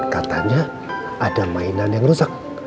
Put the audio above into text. katanya ada mainan yang rusak